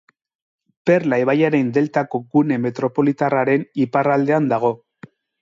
Perla ibaiaren deltako gune metropolitarraren iparraldean dago.